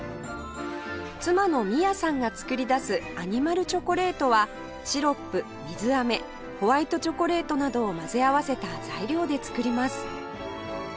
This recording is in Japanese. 妻の美弥さんが作り出すアニマルチョコレートはシロップ水あめホワイトチョコレートなどを混ぜ合わせた材料で作ります